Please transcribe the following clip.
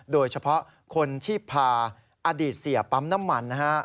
โดยเฉพาะคนที่พาอดีตเสียปั๊มน้ำมันนะฮะ